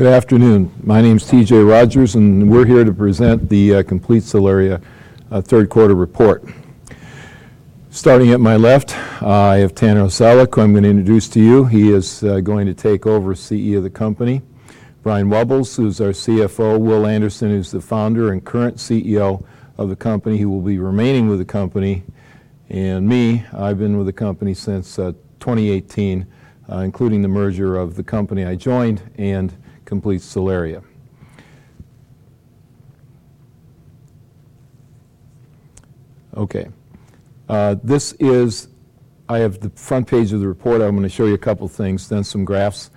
Good afternoon. My name is T.J. Rodgers, and we're here to present the Complete Solaria Q3 report. Starting at my left, I have Taner Ozcelik, who I'm going to introduce to you. He is going to take over as CEO of the company. Brian Wuebbels, who's our CFO, Will Anderson, who's the founder and current CEO of the company, who will be remaining with the company, and me, I've been with the company since 2018, including the merger of the company I joined and Complete Solaria. Okay, this is. I have the front page of the report. I'm gonna show you a couple of things, then some graphs,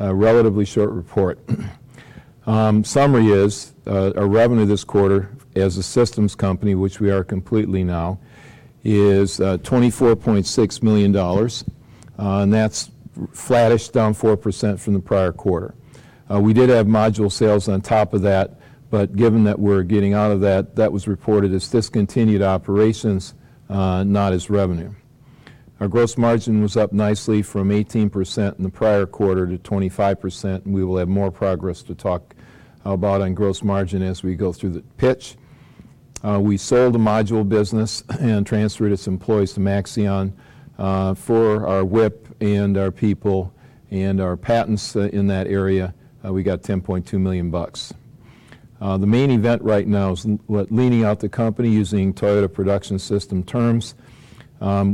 a relatively short report. Summary is, our revenue this quarter as a systems company, which we are completely now, is $24.6 million, and that's flattish, down 4% from the prior quarter. We did have module sales on top of that, but given that we're getting out of that, that was reported as discontinued operations, not as revenue. Our gross margin was up nicely from 18% in the prior quarter to 25%, and we will have more progress to talk about on gross margin as we go through the pitch. We sold the module business and transferred its employees to Maxeon, for our WIP and our people, and our patents in that area, we got $10.2 million. The main event right now is leaning out the company, using Toyota Production System terms.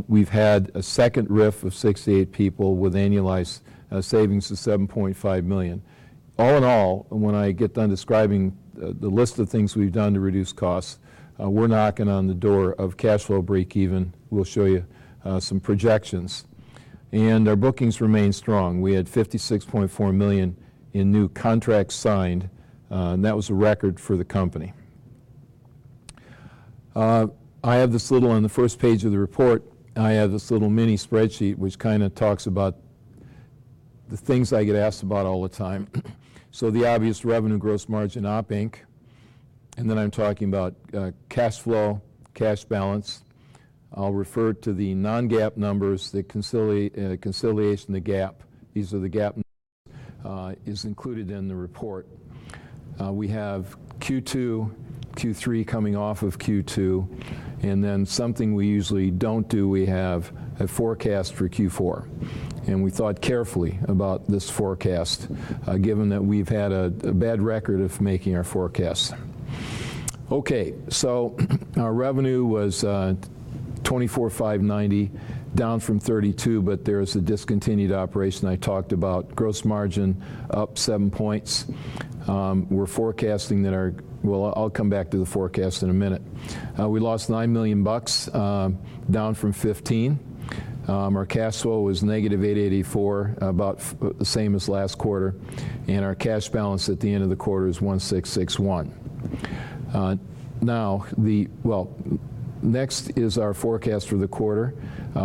We've had a second RIF of 68 people with annualized savings of $7.5 million. All in all, when I get done describing the list of things we've done to reduce costs, we're knocking on the door of cash flow break even. We'll show you some projections. Our bookings remain strong. We had $56.4 million in new contracts signed, and that was a record for the company. I have this little... On the first page of the report, I have this little mini spreadsheet, which kinda talks about the things I get asked about all the time. So the obvious revenue, gross margin, Op Inc. And then I'm talking about cash flow, cash balance. I'll refer to the non-GAAP numbers, the reconciliation to the GAAP. These are the GAAP is included in the report. We have Q2, Q3 coming off of Q2, and then something we usually don't do, we have a forecast for Q4, and we thought carefully about this forecast, given that we've had a bad record of making our forecasts. Okay, so our revenue was $24.59 million, down from $32 million, but there's a discontinued operation I talked about. Gross margin, up 7 points. We're forecasting that our. Well, I'll come back to the forecast in a minute. We lost $9 million bucks, down from $15 million. Our cash flow was -$8.84 million, about the same as last quarter, and our cash balance at the end of the quarter is $16.61 million. Now, the... Well, next is our forecast for the quarter.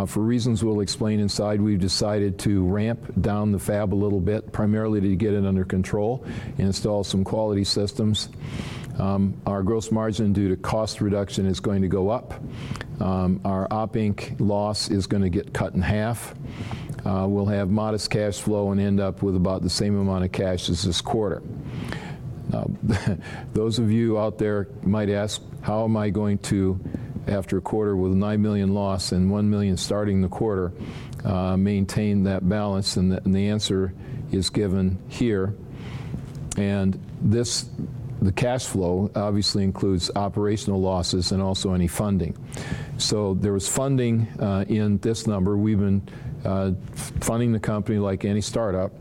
For reasons we'll explain inside, we've decided to ramp down the fab a little bit, primarily to get it under control and install some quality systems. Our gross margin, due to cost reduction, is going to go up. Our Op Inc loss is gonna get cut in half. We'll have modest cash flow and end up with about the same amount of cash as this quarter. Those of you out there might ask, how am I going to, after a quarter with a $9 million loss and $1 million starting the quarter, maintain that balance? And the answer is given here, and this, the cash flow, obviously includes operational losses and also any funding. So there was funding in this number. We've been funding the company like any startup.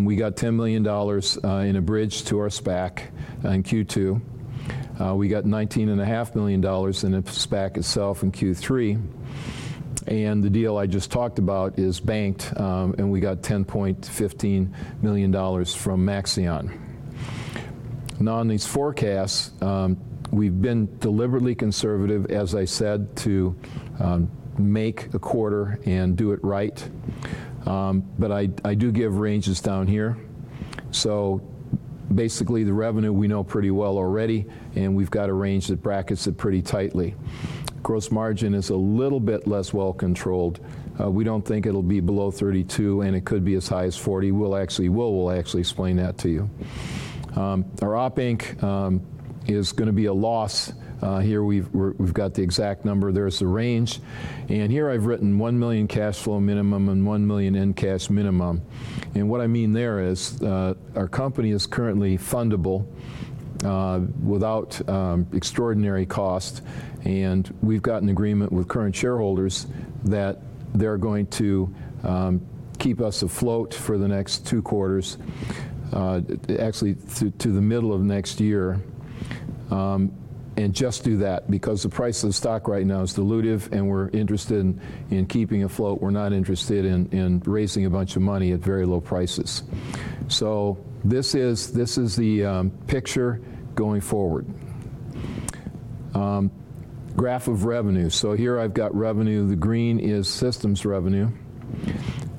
We got $10 million in a bridge to our SPAC in Q2. We got $19.5 million in the SPAC itself in Q3, and the deal I just talked about is banked, and we got $10.15 million from Maxeon. Now, on these forecasts, we've been deliberately conservative, as I said, to make the quarter and do it right. But I do give ranges down here. So basically, the revenue we know pretty well already, and we've got a range that brackets it pretty tightly. Gross margin is a little bit less well-controlled. We don't think it'll be below 32%, and it could be as high as 40%. We'll actually explain that to you. Our Op Inc is gonna be a loss. Here we've got the exact number. There's the range, and here I've written $1 million cash flow minimum and $1 million in cash minimum. And what I mean there is, our company is currently fundable, without extraordinary cost, and we've got an agreement with current shareholders that they're going to keep us afloat for the next two quarters, actually, to the middle of next year, and just do that because the price of the stock right now is dilutive, and we're interested in keeping afloat. We're not interested in raising a bunch of money at very low prices. So this is the picture going forward. Graph of revenue. So here I've got revenue. The green is systems revenue,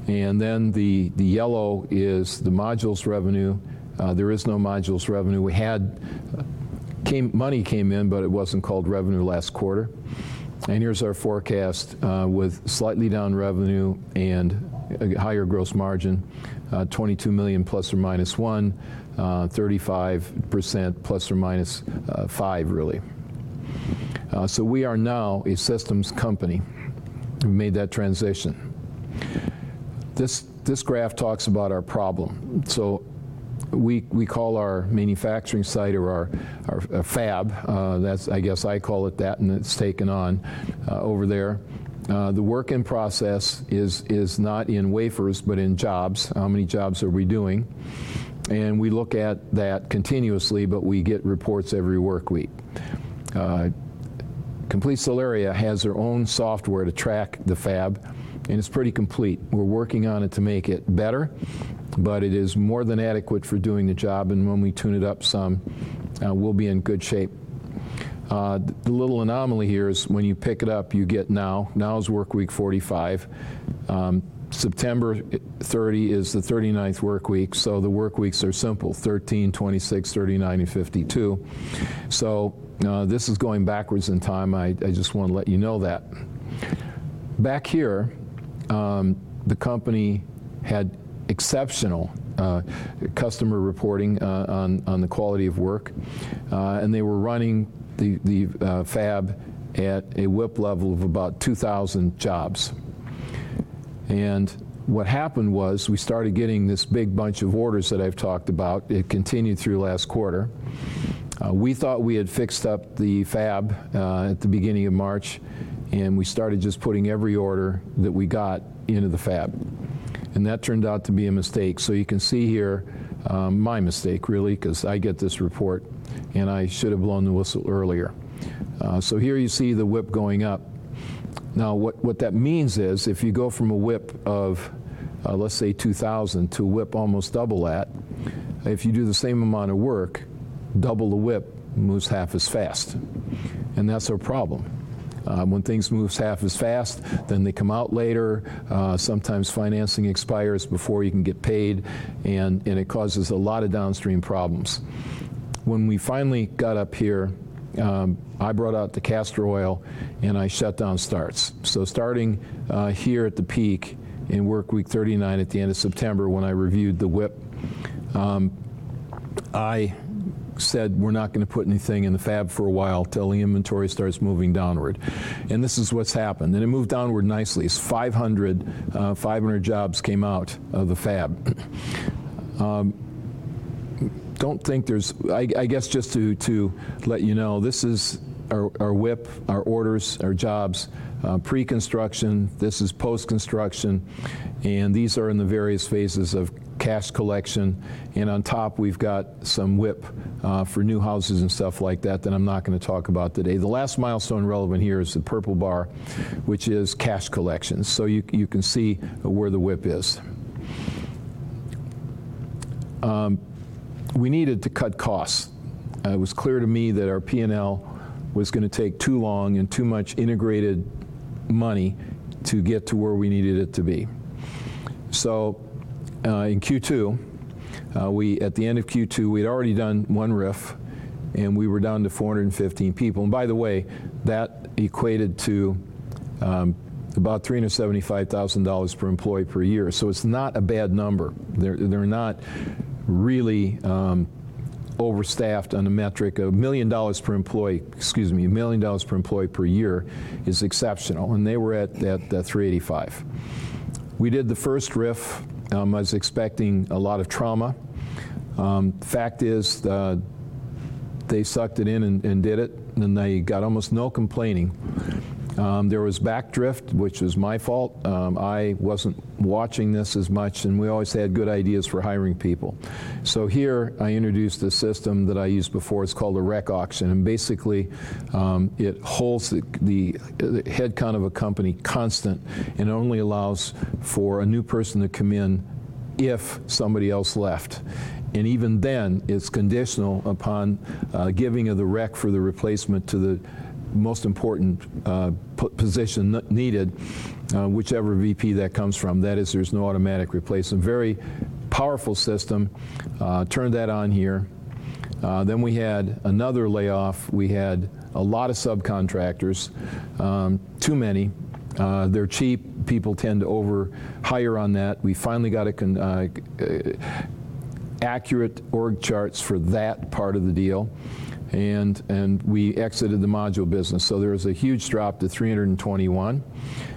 and then the yellow is the modules revenue. There is no modules revenue. We had money come in, but it wasn't called revenue last quarter. Here's our forecast with slightly down revenue and a higher gross margin, $22 million ± $1 million, 35% ±5%, really. So we are now a systems company. We made that transition. This graph talks about our problem. So we call our manufacturing site or our fab, that's, I guess I call it that, and it's taken on over there. The work in process is not in wafers, but in jobs. How many jobs are we doing? And we look at that continuously, but we get reports every work week. Complete Solaria has their own software to track the fab, and it's pretty complete. We're working on it to make it better, but it is more than adequate for doing the job, and when we tune it up some, we'll be in good shape. The little anomaly here is when you pick it up, you get now. Now is work week 45. September 30 is the 39th work week, so the work weeks are simple, 13, 26, 39, and 52. So, this is going backwards in time. I just want to let you know that. Back here, the company had exceptional customer reporting on the quality of work, and they were running the fab at a WIP level of about 2,000 jobs. And what happened was, we started getting this big bunch of orders that I've talked about. It continued through last quarter. We thought we had fixed up the fab at the beginning of March, and we started just putting every order that we got into the fab, and that turned out to be a mistake. So you can see here, my mistake really, 'cause I get this report, and I should have blown the whistle earlier. So here you see the WIP going up. Now, what that means is, if you go from a WIP of, let's say 2000 to a WIP almost double that, if you do the same amount of work, double the WIP moves half as fast, and that's our problem. When things move half as fast, then they come out later, sometimes financing expires before you can get paid, and it causes a lot of downstream problems. When we finally got up here, I brought out the castor oil, and I shut down starts. So starting here at the peak in work week 39 at the end of September, when I reviewed the WIP, I said, "We're not gonna put anything in the fab for a while till the inventory starts moving downward." And this is what's happened, and it moved downward nicely. It's 500 jobs came out of the fab. Don't think there's... I guess just to let you know, this is our WIP, our orders, our jobs, pre-construction, this is post-construction, and these are in the various phases of cash collection, and on top, we've got some WIP for new houses and stuff like that, that I'm not gonna talk about today. The last milestone relevant here is the purple bar, which is cash collection. So you can see where the WIP is. We needed to cut costs. It was clear to me that our P&L was gonna take too long and too much integrated money to get to where we needed it to be. So, in Q2, at the end of Q2, we'd already done one RIF, and we were down to 415 people. And by the way, that equated to about $375,000 per employee per year. So it's not a bad number. They're not really overstaffed on a metric. $1 million per employee, excuse me, $1 million per employee per year is exceptional, and they were at that 385. We did the first RIF. I was expecting a lot of trauma. Fact is, they sucked it in and did it, and they got almost no complaining. There was backdrift, which was my fault. I wasn't watching this as much, and we always had good ideas for hiring people. So here, I introduced a system that I used before. It's called a req auction, and basically, it holds the head count of a company constant and only allows for a new person to come in if somebody else left, and even then, it's conditional upon giving of the req for the replacement to the most important position needed, whichever VP that comes from. That is, there's no automatic replacement. Very powerful system. Turned that on here. Then we had another layoff. We had a lot of subcontractors, too many. They're cheap. People tend to over-hire on that. We finally got accurate org charts for that part of the deal, and we exited the module business. So there was a huge drop to 321,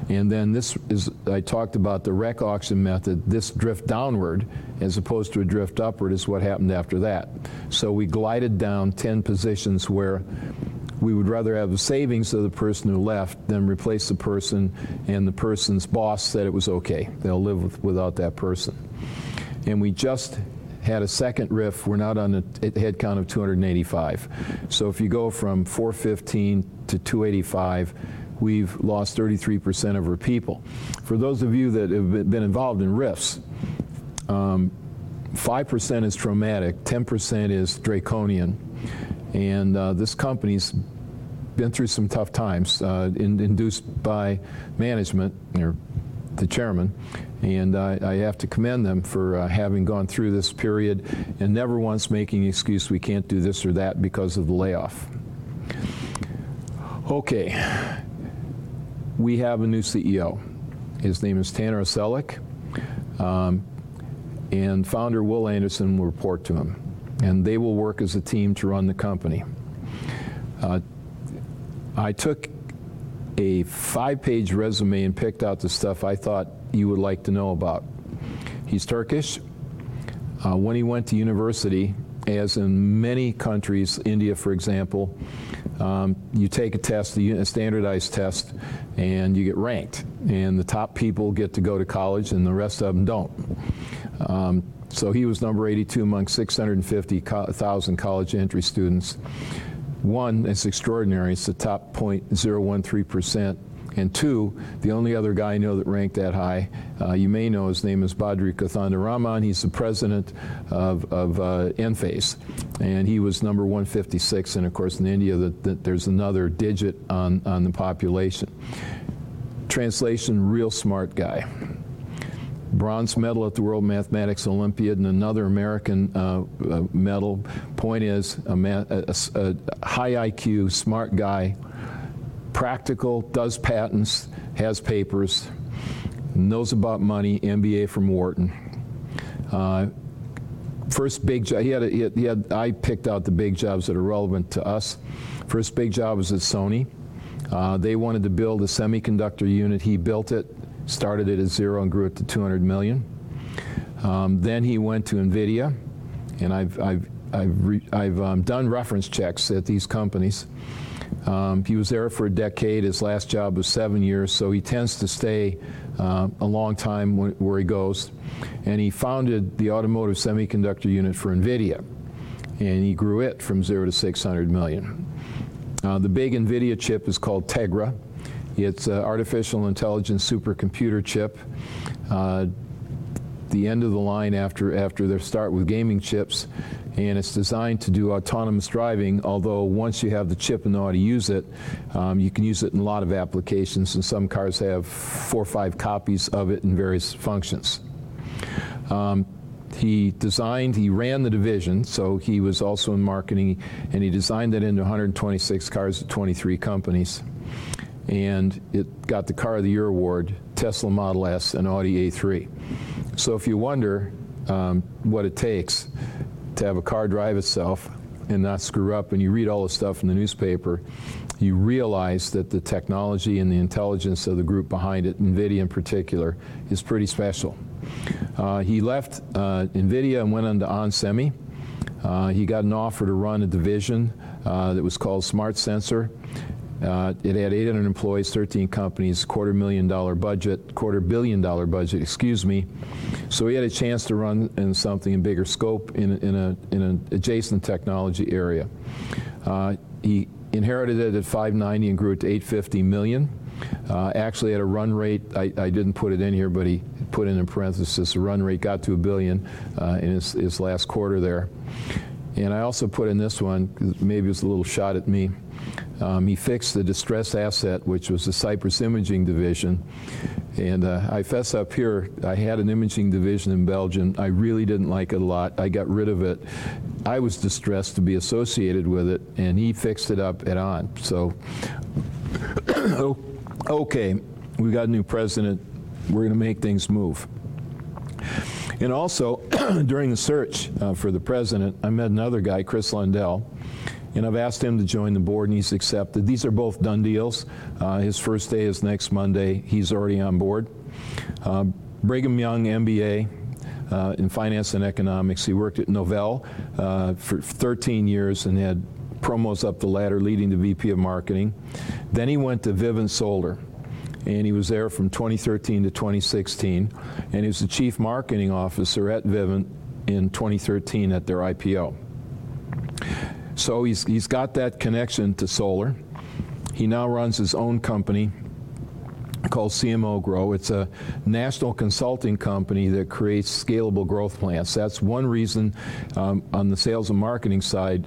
and then this is... I talked about the Req Auction method. This drift downward, as opposed to a drift upward, is what happened after that. So we glided down 10 positions where we would rather have the savings of the person who left than replace the person, and the person's boss said it was okay. They'll live without that person. And we just had a second RIF. We're now down to a head count of 285. So if you go from 415 to 285, we've lost 33% of our people. For those of you that have been involved in RIFs, 5% is traumatic, 10% is draconian, and this company's been through some tough times induced by management or the chairman, and I have to commend them for having gone through this period and never once making the excuse we can't do this or that because of the layoff. Okay, we have a new CEO. His name is Taner Ozcelik, and founder Will Anderson will report to him, and they will work as a team to run the company. I took a five-page resume and picked out the stuff I thought you would like to know about. He's Turkish. When he went to university, as in many countries, India, for example, you take a test, a standardized test, and you get ranked, and the top people get to go to college, and the rest of them don't. So he was number 82 among 650,000 college entry students. One, it's extraordinary. It's the top 0.013%, and two, the only other guy I know that ranked that high, you may know his name is Badri Kothandaraman. He's the president of Enphase, and he was number 156, and of course, in India, there's another digit on the population. Translation, real smart guy. Bronze medal at the World Mathematics Olympiad and another American medal. Point is, a high IQ, smart guy, practical, does patents, has papers, knows about money, MBA from Wharton. First big job was at Sony. They wanted to build a semiconductor unit. He built it, started it at 0 and grew it to $200 million. Then he went to NVIDIA, and I've done reference checks at these companies. He was there for a decade. His last job was seve years, so he tends to stay a long time where he goes, and he founded the automotive semiconductor unit for NVIDIA, and he grew it from 0 to $600 million. The big NVIDIA chip is called Tegra. It's a artificial intelligence supercomputer chip. The end of the line after their start with gaming chips, and it's designed to do autonomous driving. Although, once you have the chip and know how to use it, you can use it in a lot of applications, and some cars have four or five copies of it in various functions. He ran the division, so he was also in marketing, and he designed it into 126 cars at 23 companies, and it got the Car of the Year award, Tesla Model S and Audi A3. So if you wonder what it takes to have a car drive itself and not screw up, and you read all the stuff in the newspaper, you realize that the technology and the intelligence of the group behind it, NVIDIA in particular, is pretty special. He left NVIDIA and went on to onsemi. He got an offer to run a division that was called Smart Sensor. It had 800 employees, 13 companies, $250,000 budget—$250 million budget, excuse me. So he had a chance to run something in bigger scope, in an adjacent technology area. He inherited it at $590 million and grew it to $850 million. Actually, at a run rate, I didn't put it in here, but he put it in parenthesis. The run rate got to $1 billion in his last quarter there. And I also put in this one, maybe it's a little shot at me. He fixed the distressed asset, which was the Cypress Imaging Division, and I fess up here, I had an imaging division in Belgium. I really didn't like it a lot. I got rid of it. I was distressed to be associated with it, and he fixed it up at On. So, okay, we got a new president. We're gonna make things move. And also, during the search for the president, I met another guy, Chris Lundell, and I've asked him to join the board, and he's accepted. These are both done deals. His first day is next Monday. He's already on board. Brigham Young MBA in finance and economics. He worked at Novell for 13 years and had promos up the ladder, leading to VP of marketing. Then he went to Vivint Solar, and he was there from 2013 to 2016, and he was the Chief Marketing Officer at Vivint in 2013 at their IPO. So he's got that connection to solar. He now runs his own company called CMO Grow. It's a national consulting company that creates scalable growth plans. That's one reason on the sales and marketing side,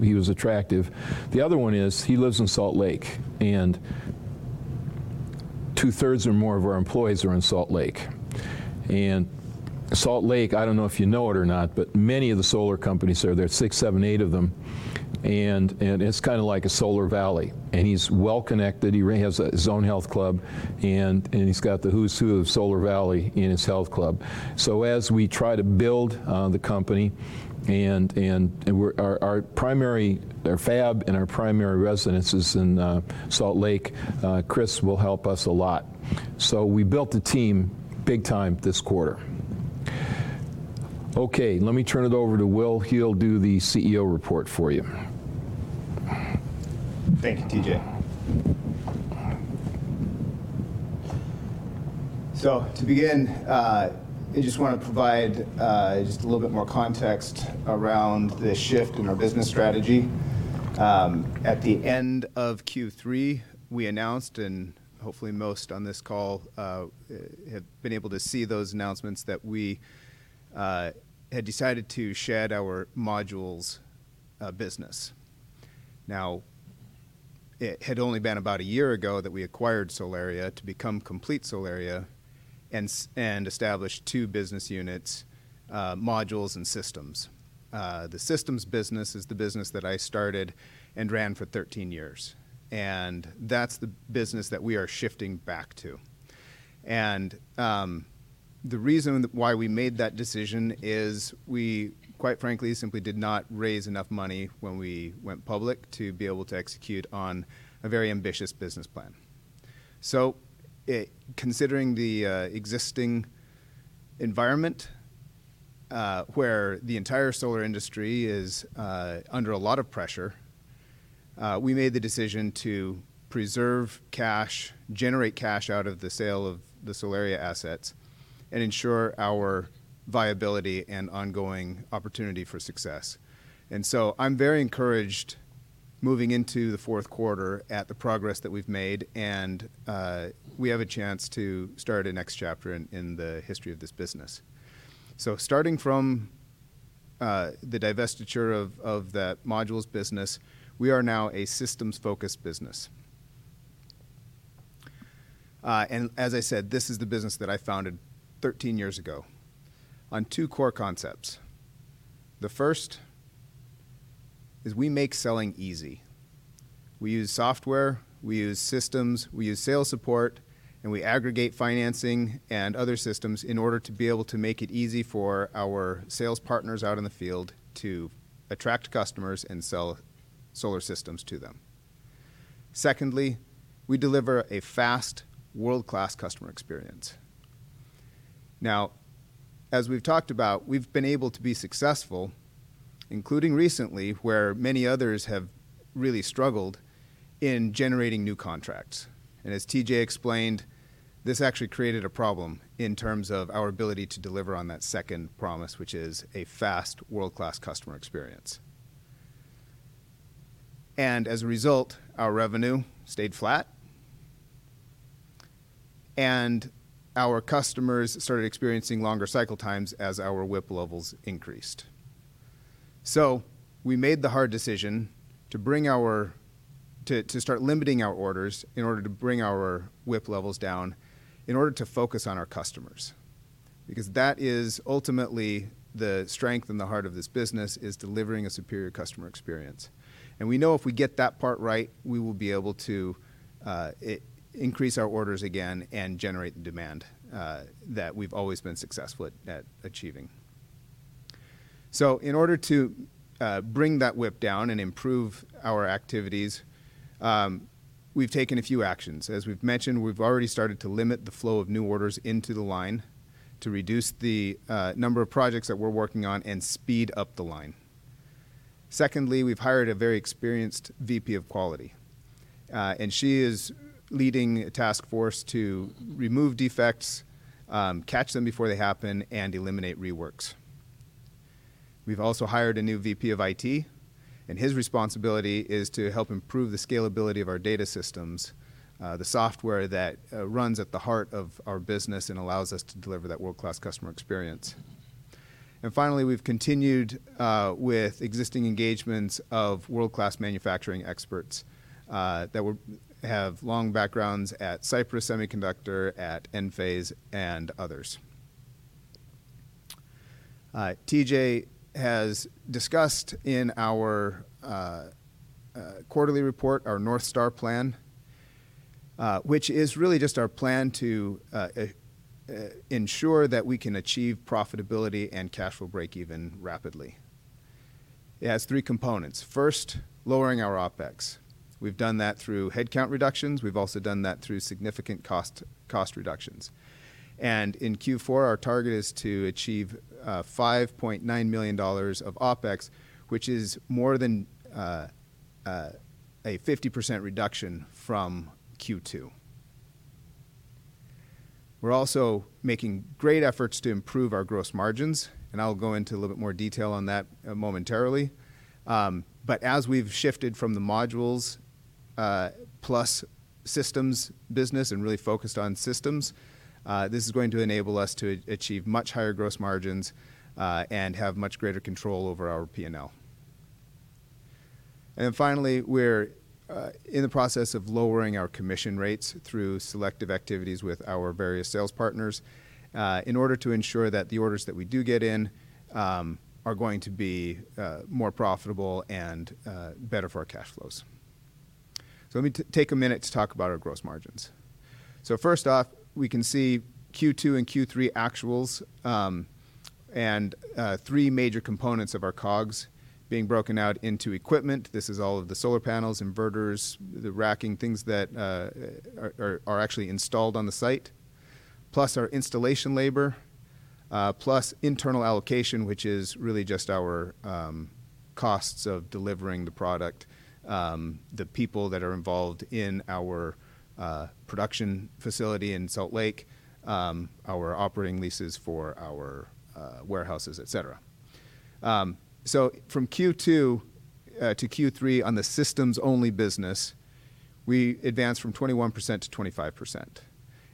he was attractive. The other one is he lives in Salt Lake, and 2/3 or more of our employees are in Salt Lake. And Salt Lake, I don't know if you know it or not, but many of the solar companies are there, six, seven, eight of them, and it's kind of like a Solar Valley, and he's well-connected. He has his own health club, and he's got the who's who of Solar Valley in his health club. So as we try to build the company and we're our primary our fab and our primary residence is in Salt Lake, Chris will help us a lot. We built the team big time this quarter. Okay, let me turn it over to Will. He'll do the CEO report for you. Thank you, T.J. So to begin, I just wanna provide just a little bit more context around the shift in our business strategy. At the end of Q3, we announced, and hopefully, most on this call have been able to see those announcements, that we-... had decided to shed our modules business. Now, it had only been about a year ago that we acquired Solaria to become Complete Solaria and established two business units, modules and systems. The systems business is the business that I started and ran for 13 years, and that's the business that we are shifting back to. And the reason why we made that decision is we, quite frankly, simply did not raise enough money when we went public to be able to execute on a very ambitious business plan. So considering the existing environment, where the entire solar industry is under a lot of pressure, we made the decision to preserve cash, generate cash out of the sale of the Solaria assets, and ensure our viability and ongoing opportunity for success. And so I'm very encouraged, moving into the Q4, at the progress that we've made, and we have a chance to start a next chapter in the history of this business. So starting from the divestiture of that modules business, we are now a systems-focused business. And as I said, this is the business that I founded 13 years ago on two core concepts. The first is we make selling easy. We use software, we use systems, we use sales support, and we aggregate financing and other systems in order to be able to make it easy for our sales partners out in the field to attract customers and sell solar systems to them. Secondly, we deliver a fast, world-class customer experience. Now, as we've talked about, we've been able to be successful, including recently, where many others have really struggled in generating new contracts. As T.J. explained, this actually created a problem in terms of our ability to deliver on that second promise, which is a fast, world-class customer experience. As a result, our revenue stayed flat, and our customers started experiencing longer cycle times as our WIP levels increased. So we made the hard decision to start limiting our orders in order to bring our WIP levels down, in order to focus on our customers, because that is ultimately the strength and the heart of this business, is delivering a superior customer experience. We know if we get that part right, we will be able to increase our orders again and generate the demand that we've always been successful at achieving. In order to bring that WIP down and improve our activities, we've taken a few actions. As we've mentioned, we've already started to limit the flow of new orders into the line to reduce the number of projects that we're working on and speed up the line. Secondly, we've hired a very experienced VP of Quality, and she is leading a task force to remove defects, catch them before they happen, and eliminate reworks. We've also hired a new VP of IT, and his responsibility is to help improve the scalability of our data systems, the software that runs at the heart of our business and allows us to deliver that world-class customer experience. And finally, we've continued with existing engagements of world-class manufacturing experts that have long backgrounds at Cypress Semiconductor, at Enphase, and others. T.J. has discussed in our quarterly report, our North Star plan, which is really just our plan to ensure that we can achieve profitability and cash flow break-even rapidly. It has three components. First, lowering our OpEx. We've done that through headcount reductions. We've also done that through significant cost reductions. In Q4, our target is to achieve $5.9 million of OpEx, which is more than a 50% reduction from Q2. We're also making great efforts to improve our gross margins, and I'll go into a little bit more detail on that momentarily. As we've shifted from the modules plus systems business and really focused on systems, this is going to enable us to achieve much higher gross margins, and have much greater control over our P&L. Then finally, we're in the process of lowering our commission rates through selective activities with our various sales partners, in order to ensure that the orders that we do get in are going to be more profitable and better for our cash flows. So let me take a minute to talk about our gross margins. So first off, we can see Q2 and Q3 actuals, and three major components of our COGS being broken out into equipment. This is all of the solar panels, inverters, the racking, things that are actually installed on the site, plus our installation labor, plus internal allocation, which is really just our costs of delivering the product, the people that are involved in our production facility in Salt Lake, our operating leases for our warehouses, et cetera. So from Q2 to Q3, on the systems-only business, we advanced from 21% to 25%.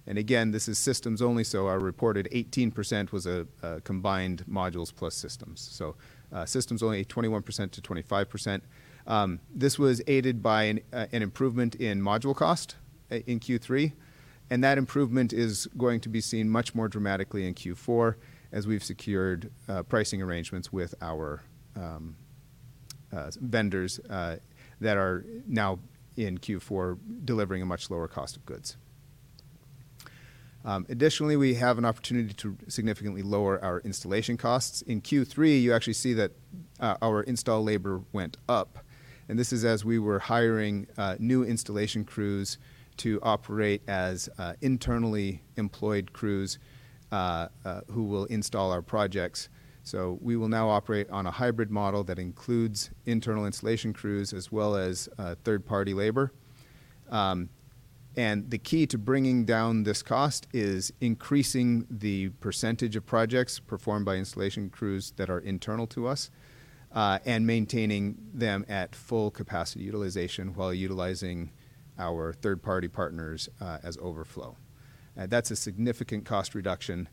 And again, this is systems only, so our reported 18% was a combined modules plus systems. So systems only 21% to 25%. This was aided by an improvement in module cost in Q3, and that improvement is going to be seen much more dramatically in Q4 as we've secured pricing arrangements with our vendors that are now in Q4, delivering a much lower cost of goods. Additionally, we have an opportunity to significantly lower our installation costs. In Q3, you actually see that our install labor went up, and this is as we were hiring new installation crews to operate as internally employed crews who will install our projects. So we will now operate on a hybrid model that includes internal installation crews as well as third-party labor. The key to bringing down this cost is increasing the percentage of projects performed by installation crews that are internal to us, and maintaining them at full capacity utilization while utilizing our third-party partners as overflow. That's a significant cost reduction.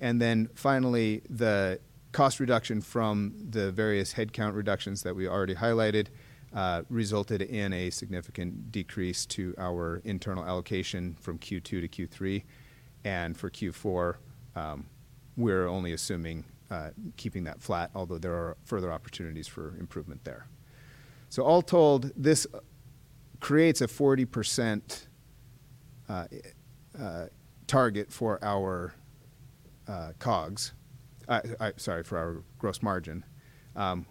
Then finally, the cost reduction from the various headcount reductions that we already highlighted resulted in a significant decrease to our internal allocation from Q2 to Q3. For Q4, we're only assuming, keeping that flat, although there are further opportunities for improvement there. All told, this creates a 40% target for our COGS. Sorry, for our gross margin.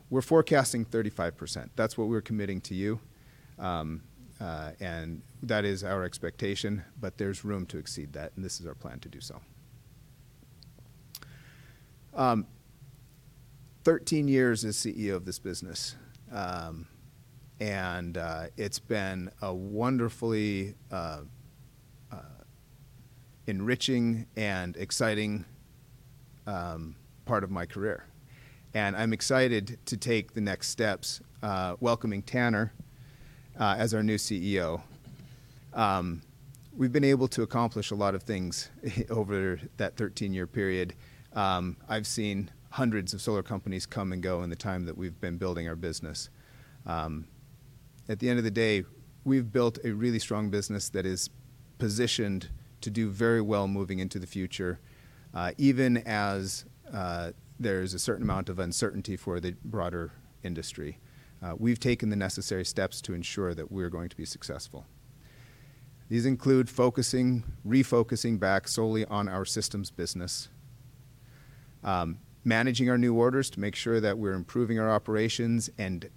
We're forecasting 35%. That's what we're committing to you, and that is our expectation, but there's room to exceed that, and this is our plan to do so. 13 years as CEO of this business, and it's been a wonderfully enriching and exciting part of my career, and I'm excited to take the next steps, welcoming Taner as our new CEO. We've been able to accomplish a lot of things over that 13-year period. I've seen hundreds of solar companies come and go in the time that we've been building our business. At the end of the day, we've built a really strong business that is positioned to do very well moving into the future, even as there is a certain amount of uncertainty for the broader industry. We've taken the necessary steps to ensure that we're going to be successful. These include refocusing back solely on our systems business, managing our new orders to make sure that we're improving our operations and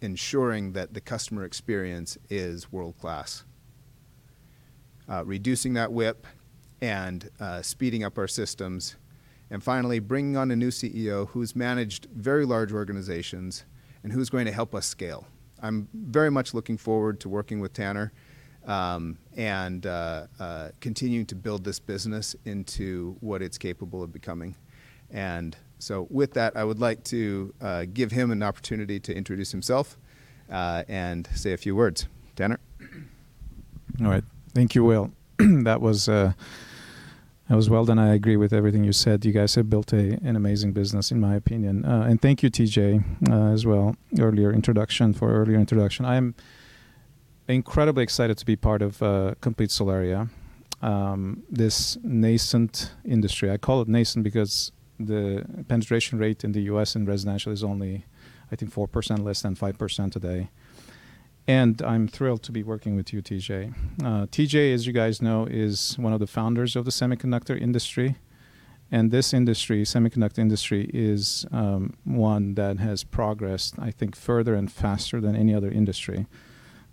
ensuring that the customer experience is world-class. Reducing that WIP and speeding up our systems, and finally, bringing on a new CEO who's managed very large organizations and who's going to help us scale. I'm very much looking forward to working with Taner and continuing to build this business into what it's capable of becoming. And so with that, I would like to give him an opportunity to introduce himself and say a few words. Taner? All right. Thank you, Will. That was that was well done. I agree with everything you said. You guys have built an amazing business, in my opinion. And thank you, T.J., as well, for your earlier introduction. I am incredibly excited to be part of Complete Solaria, this nascent industry. I call it nascent because the penetration rate in the US in residential is only, I think, 4%, less than 5% today. And I'm thrilled to be working with you, T.J. T.J., as you guys know, is one of the founders of the semiconductor industry, and this industry, semiconductor industry, is one that has progressed, I think, further and faster than any other industry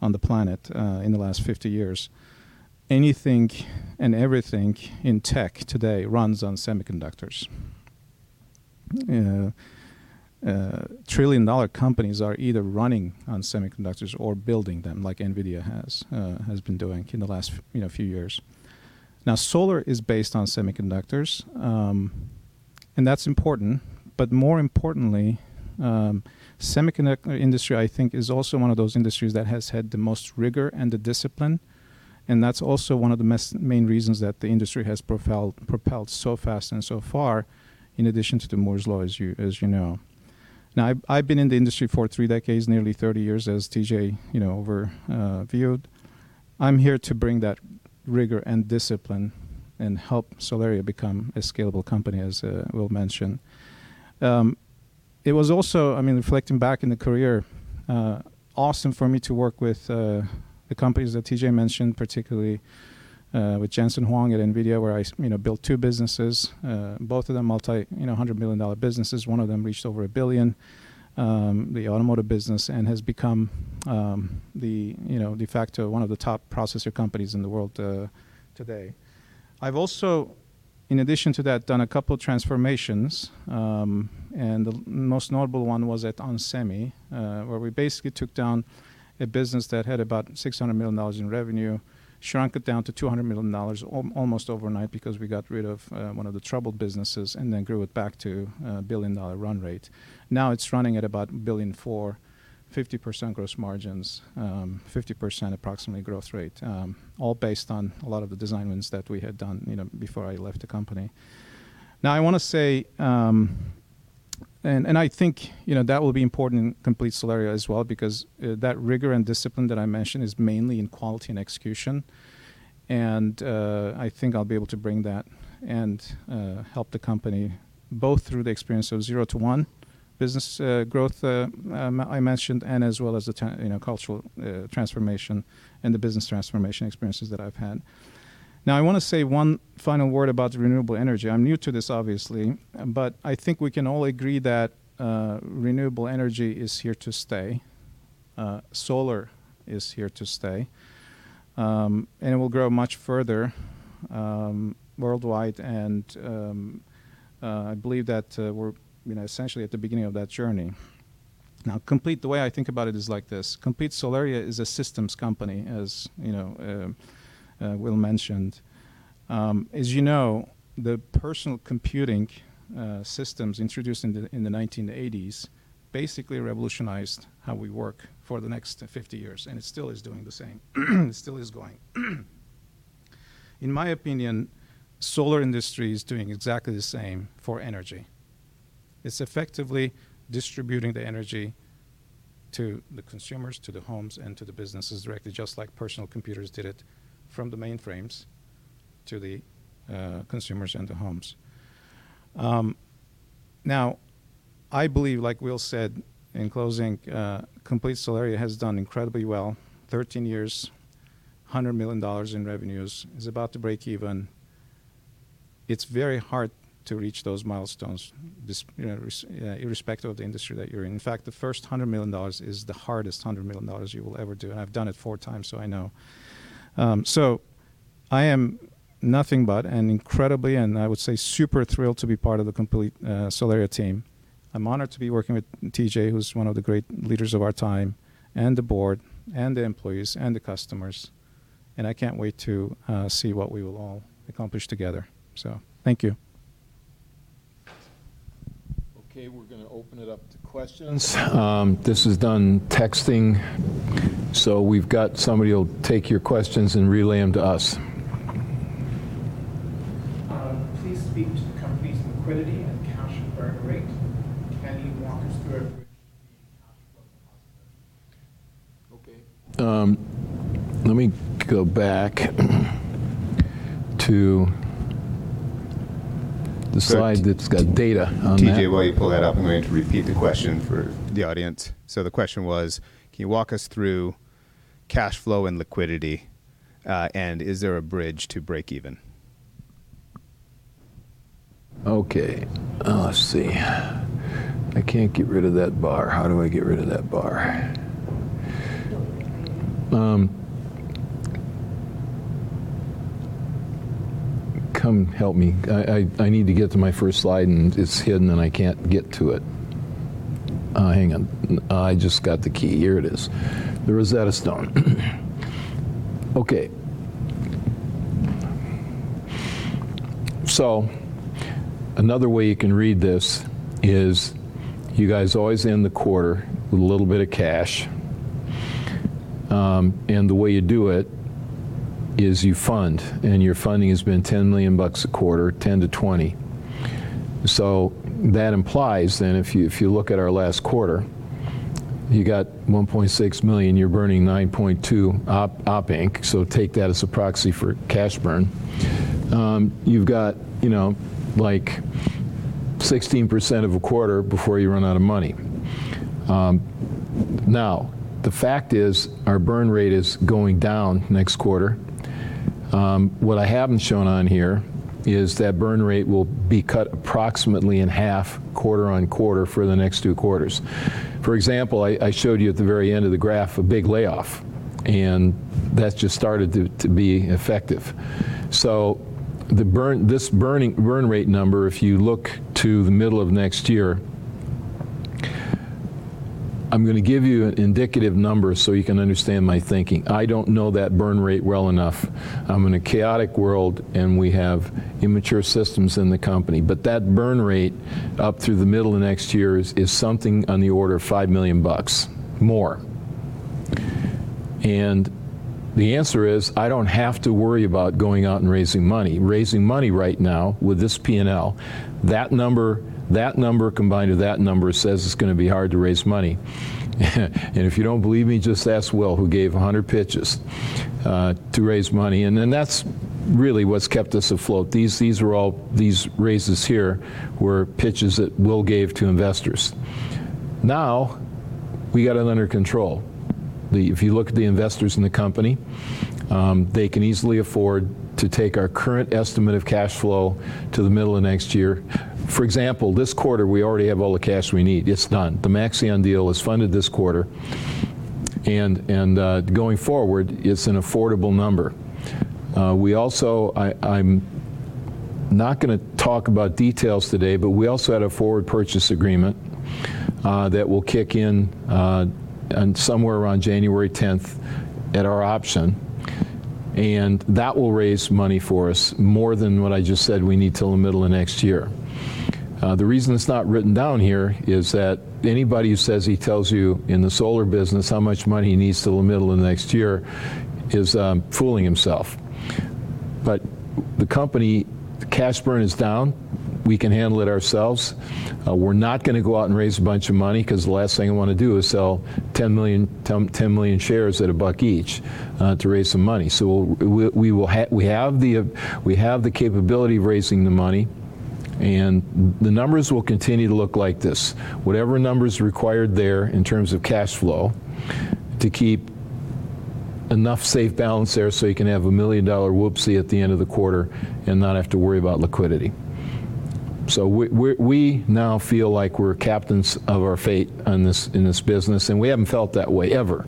on the planet, in the last 50 years. Anything and everything in tech today runs on semiconductors. Trillion-dollar companies are either running on semiconductors or building them, like NVIDIA has been doing in the last, you know, few years. Now, solar is based on semiconductors, and that's important, but more importantly, semiconductor industry, I think, is also one of those industries that has had the most rigor and the discipline, and that's also one of the main reasons that the industry has propelled so fast and so far, in addition to the Moore's Law, as you know. Now, I've been in the industry for three decades, nearly 30 years, as T.J., you know, overviewed. I'm here to bring that rigor and discipline and help Solaria become a scalable company, as Will mentioned. It was also, I mean, reflecting back on the career, awesome for me to work with, the companies that T.J. mentioned, particularly, with Jensen Huang at NVIDIA, where you know, built two businesses, both of them multi, you know, $100 million businesses. One of them reached over $1 billion, the automotive business, and has become, the, you know, de facto one of the top processor companies in the world, today. I've also- In addition to that, done a couple transformations, and the most notable one was at onsemi, where we basically took down a business that had about $600 million in revenue, shrunk it down to $200 million, almost overnight, because we got rid of one of the troubled businesses and then grew it back to a $1 billion run rate. Now it's running at about a $1 billion for 50% gross margins, 50% approximately growth rate, all based on a lot of the design wins that we had done, you know, before I left the company. Now, I wanna say, and I think, you know, that will be important in Complete Solaria as well, because that rigor and discipline that I mentioned is mainly in quality and execution. I think I'll be able to bring that and help the company both through the experience of zero to one business growth I mentioned, and as well as the, you know, cultural transformation and the business transformation experiences that I've had. Now, I wanna say one final word about the renewable energy. I'm new to this, obviously, but I think we can all agree that renewable energy is here to stay. Solar is here to stay, and it will grow much further worldwide. I believe that we're, you know, essentially at the beginning of that journey. Now, the way I think about it is like this, Complete Solaria is a systems company, as you know, Will mentioned. As you know, the personal computing systems introduced in the 1980s basically revolutionized how we work for the next 50 years, and it still is doing the same. It still is going. In my opinion, solar industry is doing exactly the same for energy. It's effectively distributing the energy to the consumers, to the homes and to the businesses directly, just like personal computers did it, from the mainframes to the consumers and the homes. Now, I believe, like Will said in closing, Complete Solaria has done incredibly well, 13 years, $100 million in revenues, is about to break-even. It's very hard to reach those milestones, you know, irrespective of the industry that you're in. In fact, the first $100 million is the hardest $100 million you will ever do, and I've done it four times, so I know. I am nothing but an incredibly, and I would say, super thrilled to be part of the Complete Solaria team. I'm honored to be working with T.J., who's one of the great leaders of our time, and the board, and the employees, and the customers, and I can't wait to see what we will all accomplish together. Thank you. Okay, we're gonna open it up to questions. This is done texting, so we've got somebody will take your questions and relay them to us. Please speak to the company's liquidity and cash burn rate. Can you walk us through it? Okay, let me go back to the slide that's got data on that. T.J., while you pull that up, I'm going to repeat the question for the audience. So the question was, Can you walk us through cash flow and liquidity, and is there a bridge to break even? Okay, let's see. I can't get rid of that bar. How do I get rid of that bar? Come help me. I need to get to my first slide, and it's hidden, and I can't get to it. Hang on. I just got the key. Here it is, the Rosetta Stone. Okay. So another way you can read this is you guys always end the quarter with a little bit of cash, and the way you do it is you fund, and your funding has been $10 million a quarter, $10 million-$20 million. So that implies then, if you look at our last quarter, you got $1.6 million, you're burning 9.2 Op Inc. So take that as a proxy for cash burn. You've got, you know, like 16% of a quarter before you run out of money. Now, the fact is, our burn rate is going down next quarter. What I haven't shown on here is that burn rate will be cut approximately in half, quarter-over-quarter for the next two quarters. For example, I showed you at the very end of the graph, a big layoff, and that's just started to be effective. So the burn rate number, if you look to the middle of next year, I'm gonna give you an indicative number so you can understand my thinking. I don't know that burn rate well enough. I'm in a chaotic world, and we have immature systems in the company, but that burn rate up through the middle of next year is something on the order of $5 million more. The answer is, I don't have to worry about going out and raising money. Raising money right now with this P&L, that number, that number combined with that number says it's gonna be hard to raise money. If you don't believe me, just ask Will, who gave 100 pitches to raise money, and then that's really what's kept us afloat. These raises here were pitches that Will gave to investors. Now, we got it under control. If you look at the investors in the company, they can easily afford to take our current estimate of cash flow to the middle of next year. For example, this quarter, we already have all the cash we need. It's done. The Maxeon deal is funded this quarter... and going forward, it's an affordable number. We also - I'm not gonna talk about details today, but we also had a forward purchase agreement that will kick in on somewhere around January 10th at our option, and that will raise money for us more than what I just said we need till the middle of next year. The reason it's not written down here is that anybody who says he tells you in the solar business how much money he needs till the middle of the next year is fooling himself. But the company, the cash burn is down. We can handle it ourselves. We're not gonna go out and raise a bunch of money, 'cause the last thing I wanna do is sell 10 million shares at a buck each, to raise some money. So we have the capability of raising the money, and the numbers will continue to look like this. Whatever number is required there in terms of cash flow, to keep enough safe balance there, so you can have a million-dollar whoopsie at the end of the quarter and not have to worry about liquidity. So we now feel like we're captains of our fate in this business, and we haven't felt that way, ever.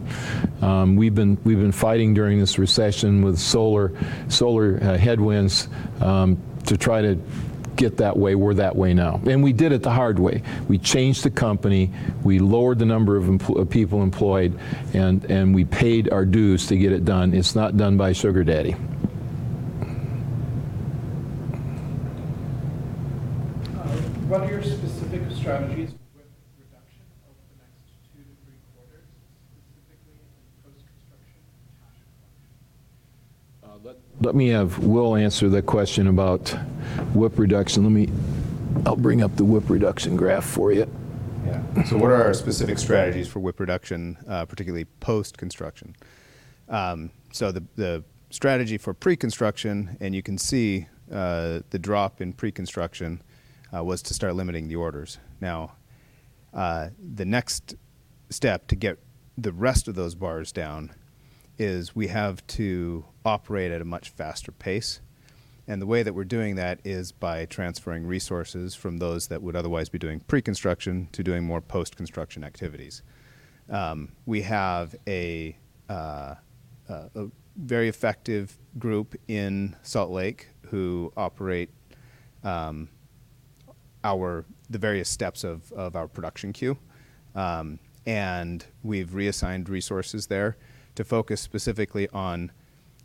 We've been fighting during this recession with solar headwinds, to try to get that way. We're that way now. We did it the hard way. We changed the company, we lowered the number of people employed, and we paid our dues to get it done, and it's not done by sugar daddy. What are your specific strategies with reduction over the next two - three quarters, specifically in post-construction cash flow? Will answer the question about WIP reduction. Let me... I'll bring up the WIP reduction graph for you. Yeah. So what are our specific strategies for WIP reduction, particularly post-construction? So the strategy for pre-construction, and you can see, the drop in pre-construction, was to start limiting the orders. Now, the next step to get the rest of those bars down is we have to operate at a much faster pace, and the way that we're doing that is by transferring resources from those that would otherwise be doing pre-construction to doing more post-construction activities. We have a very effective group in Salt Lake who operate the various steps of our production queue. And we've reassigned resources there to focus specifically on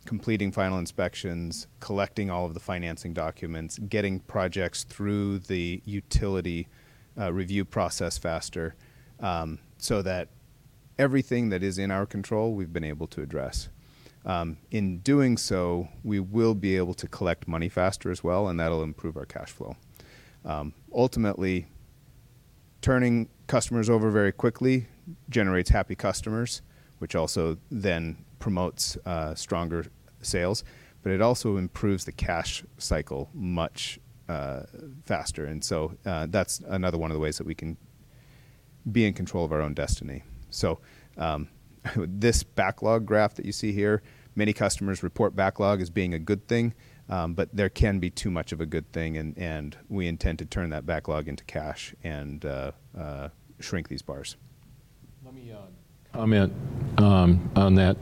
completing final inspections, collecting all of the financing documents, getting projects through the utility review process faster, so that everything that is in our control, we've been able to address. In doing so, we will be able to collect money faster as well, and that'll improve our cash flow. Ultimately, turning customers over very quickly generates happy customers, which also then promotes stronger sales, but it also improves the cash cycle much faster. And so, that's another one of the ways that we can be in control of our own destiny. So, this backlog graph that you see here, many customers report backlog as being a good thing, but there can be too much of a good thing, and we intend to turn that backlog into cash and shrink these bars. Let me comment on that.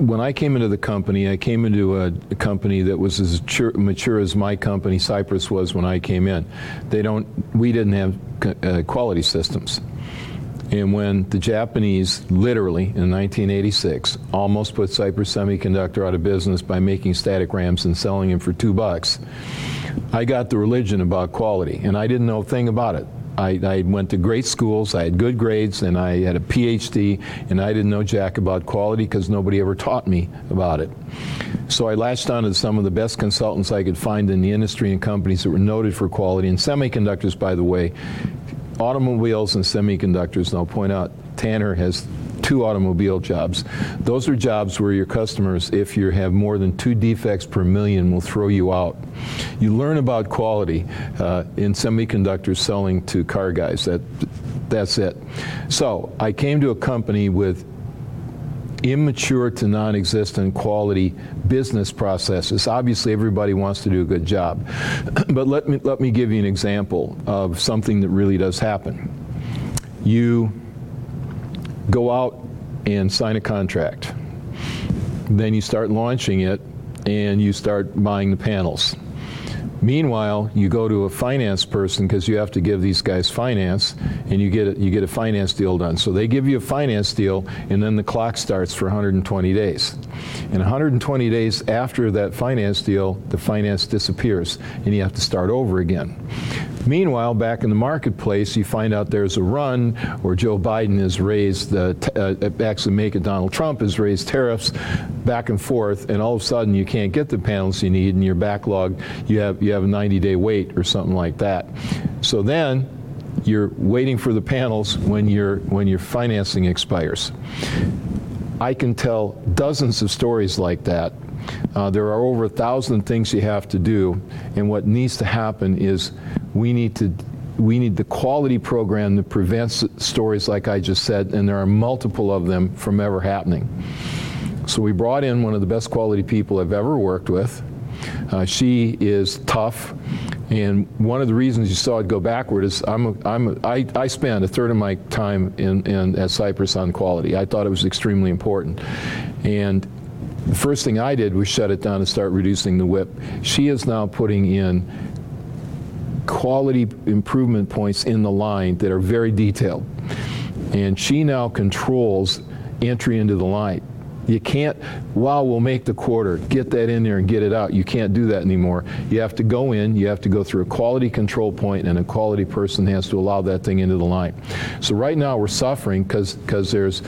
When I came into the company, I came into a company that was as mature as my company, Cypress, was when I came in. We didn't have quality systems, and when the Japanese, literally, in 1986, almost put Cypress Semiconductor out of business by making static RAMs and selling them for $2, I got the religion about quality, and I didn't know a thing about it. I went to great schools, I had good grades, and I had a PhD, and I didn't know jack about quality 'cause nobody ever taught me about it. So I latched on to some of the best consultants I could find in the industry and companies that were noted for quality. Semiconductors, by the way, automobiles and semiconductors, and I'll point out, Taner has two automobile jobs. Those are jobs where your customers, if you have more than two defects per million, will throw you out. You learn about quality in semiconductors, selling to car guys. That's it. So I came to a company with immature to non-existent quality business processes. Obviously, everybody wants to do a good job, but let me, give you an example of something that really does happen. You go out and sign a contract, then you start launching it, and you start buying the panels. Meanwhile, you go to a finance person, 'cause you have to give these guys finance, and you get a, you get a finance deal done. So they give you a finance deal, and then the clock starts for 120 days. And 120 days after that finance deal, the finance disappears, and you have to start over again. Meanwhile, back in the marketplace, you find out there's a run where Joe Biden has raised the, actually, make it Donald Trump, has raised tariffs back and forth, and all of a sudden, you can't get the panels you need, and your backlog, you have, you have a 90-day wait or something like that. So then you're waiting for the panels when your, when your financing expires. I can tell dozens of stories like that. There are over 1,000 things you have to do, and what needs to happen is we need the quality program that prevents stories like I just said, and there are multiple of them, from ever happening. So we brought in one of the best quality people I've ever worked with. She is tough, and one of the reasons you saw it go backward is I spend a third of my time in at Cypress on quality. I thought it was extremely important, and the first thing I did was shut it down and start reducing the WIP. She is now putting in quality improvement points in the line that are very detailed, and she now controls entry into the line. You can't, "Well, we'll make the quarter. Get that in there and get it out." You can't do that anymore. You have to go in, you have to go through a quality control point, and a quality person has to allow that thing into the line. So right now, we're suffering 'cause there's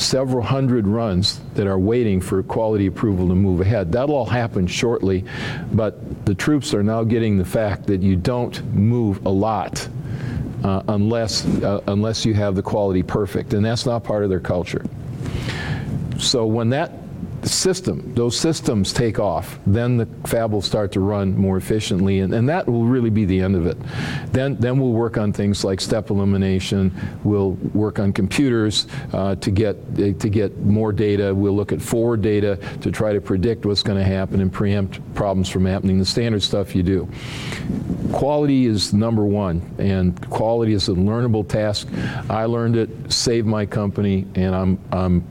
several hundred runs that are waiting for quality approval to move ahead. That'll all happen shortly, but the troops are now getting the fact that you don't move a lot unless you have the quality perfect, and that's not part of their culture. So when that system, those systems take off, then the fab will start to run more efficiently, and that will really be the end of it. Then we'll work on things like step elimination. We'll work on computers to get more data. We'll look at forward data to try to predict what's gonna happen and preempt problems from happening, the standard stuff you do. Quality is number one, and quality is a learnable task. I learned it, saved my company, and I'm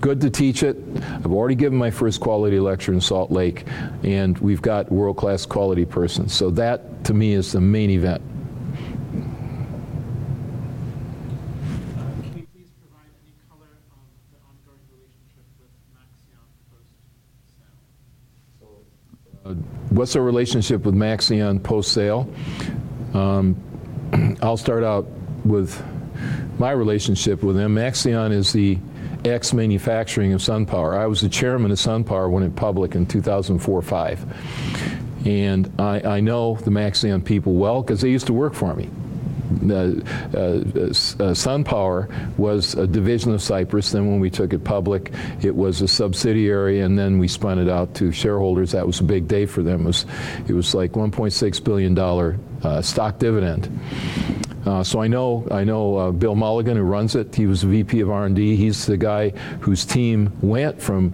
good to teach it. I've already given my first quality lecture in Salt Lake, and we've got world-class quality persons, so that, to me, is the main event. Can you please provide any color on the ongoing relationship with Maxeon post-sale? So, What's our relationship with Maxeon post-sale? I'll start out with my relationship with them. Maxeon is the ex-manufacturing of SunPower. I was the chairman of SunPower when it went public in 2004 to 2005, and I know the Maxeon people well 'cause they used to work for me. SunPower was a division of Cypress. Then, when we took it public, it was a subsidiary, and then we spun it out to shareholders. That was a big day for them. It was like $1.6 billion stock dividend. So I know Bill Mulligan, who runs it. He was the VP of R&D. He's the guy whose team went from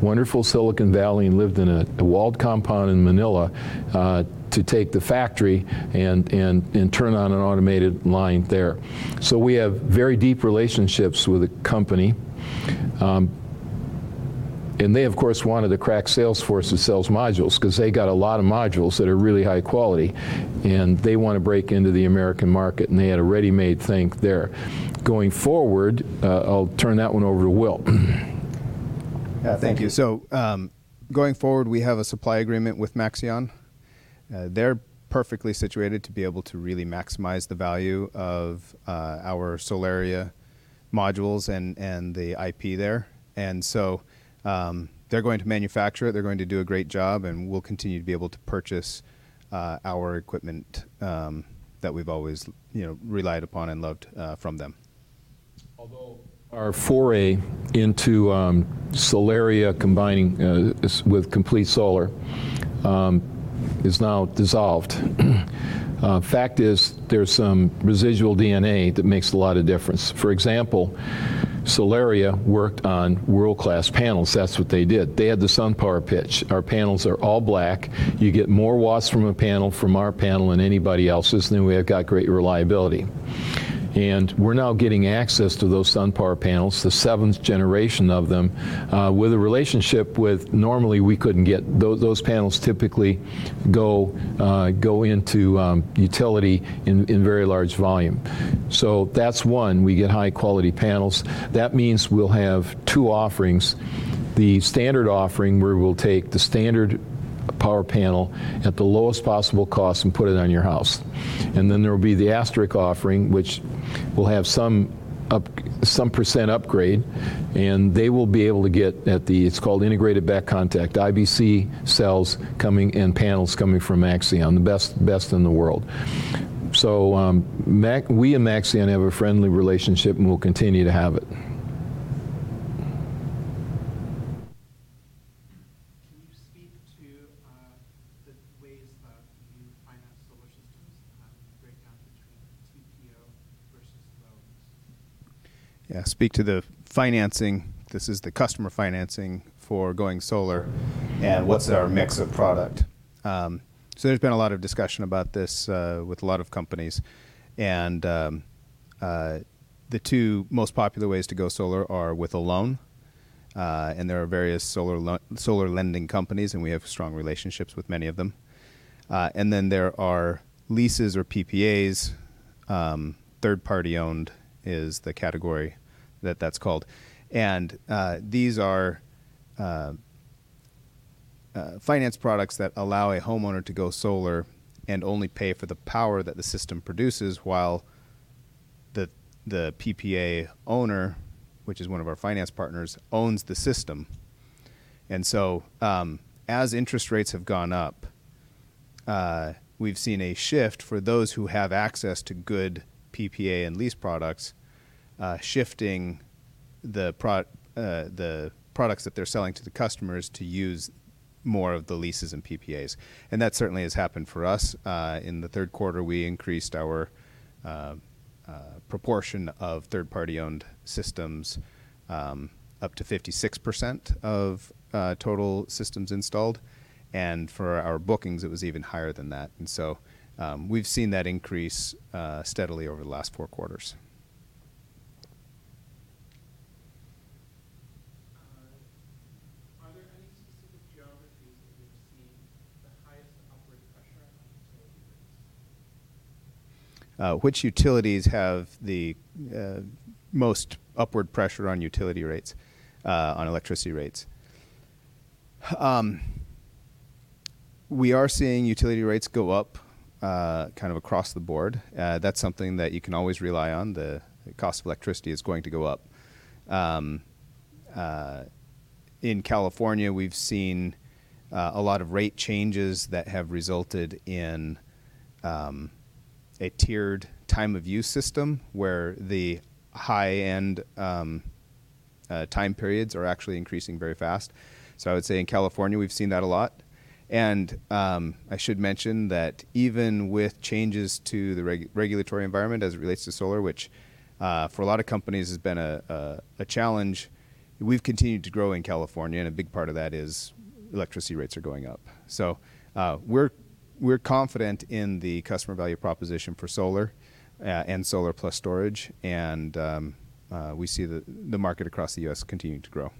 wonderful Silicon Valley and lived in a walled compound in Manila to take the factory and turn on an automated line there. So we have very deep relationships with the company. They, of course, wanted a crack sales force that sells modules 'cause they got a lot of modules that are really high quality, and they want to break into the American market, and they had a ready-made thing there. Going forward, I'll turn that one over to Will. Yeah, thank you. So, going forward, we have a supply agreement with Maxeon. They're perfectly situated to be able to really maximize the value of our Solaria modules and the IP there, and so, they're going to manufacture it. They're going to do a great job, and we'll continue to be able to purchase our equipment that we've always, you know, relied upon and loved from them. Although our foray into Solaria combining with Complete Solar is now dissolved, fact is, there's some residual DNA that makes a lot of difference. For example, Solaria worked on world-class panels. That's what they did. They had the SunPower pitch. Our panels are all black. You get more watts from a panel, from our panel, than anybody else's, and we have got great reliability. And we're now getting access to those SunPower panels, the 7th-gen of them, with a relationship with normally, we couldn't get those panels. Those panels typically go into utility in very large volume. So that's one. We get high-quality panels. That means we'll have two offerings, the standard offering, where we'll take the standard power panel at the lowest possible cost and put it on your house, and then there will be the asterisk offering, which will have some percent upgrade, and they will be able to get at the, it's called Interdigitated Back Contact, IBC cells coming, and panels coming from Maxeon, the best in the world. So, Maxeon—we and Maxeon have a friendly relationship, and we'll continue to have it. Can you speak to the ways that you finance solar systems, the breakdown between TPO versus loans? Yeah, speak to the financing. This is the customer financing for going solar- What's our mix of product? So there's been a lot of discussion about this with a lot of companies, and the two most popular ways to go solar are with a loan, and there are various solar lending companies, and we have strong relationships with many of them. And then there are leases or PPAs. Third-party owned is the category that's called, and these are finance products that allow a homeowner to go solar and only pay for the power that the system produces, while the PPA owner, which is one of our finance partners, owns the system. As interest rates have gone up, we've seen a shift for those who have access to good PPA and lease products, shifting the products that they're selling to the customers to use more of the leases and PPAs, and that certainly has happened for us. In the Q3, we increased our proportion of third-party-owned systems up to 56% of total systems installed, and for our bookings, it was even higher than that. We've seen that increase steadily over the last four quarters. Are there any specific geographies that you're seeing the highest upward pressure on utility rates? Which utilities have the most upward pressure on utility rates, on electricity rates? We are seeing utility rates go up, kind of across the board. That's something that you can always rely on. The cost of electricity is going to go up. In California, we've seen a lot of rate changes that have resulted in a tiered time-of-use system, where the high-end time periods are actually increasing very fast. So I would say in California, we've seen that a lot, and I should mention that even with changes to the regulatory environment as it relates to solar, which, for a lot of companies has been a challenge, we've continued to grow in California, and a big part of that is electricity rates are going up. So, we're confident in the customer value proposition for solar and solar-plus-storage, and we see the market across the U.S. continuing to grow.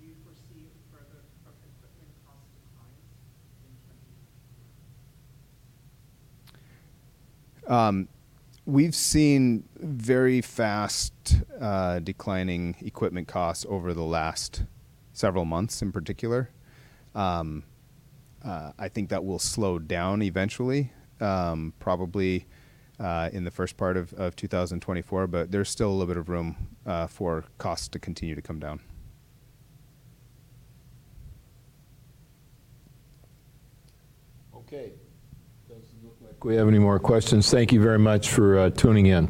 Do you foresee further equipment cost declines in 2024? We've seen very fast declining equipment costs over the last several months in particular. I think that will slow down eventually, probably in the first part of 2024, but there's still a little bit of room for costs to continue to come down. Okay. Doesn't look like we have any more questions. Thank you very much for tuning in.